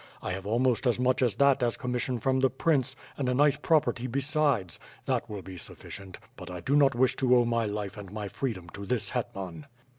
I have almost as much as that as commission from the prince and a nice prop erty besides — ^that will be suificient. But I do not wish to owe my life and my freedom to this hetman."